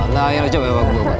nah coba ya bagi gue